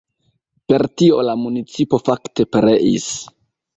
Per tio la municipo fakte pereis.